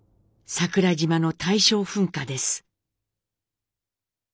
桜島の大正噴火です。